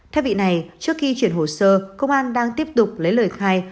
theo vị này trước khi chuyển hồ sơ công an đang tiếp tục lấy lời khai